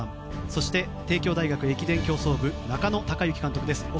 そして帝京大学駅伝競走部中野孝行監督です。